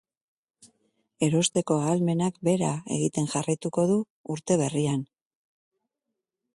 Erosteko ahalmenak behera egiten jarraituko du urte berrian.